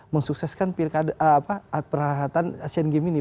mengsukseskan perharatan asian games ini